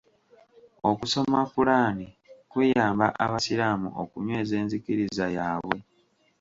Okusoma Kulaani kuyamba abasiraamu okunyweeza enzikiriza yaabwe.